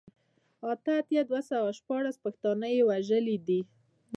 اته اتيا زره دوه سوه شپاړل پښتانه يې وژلي دي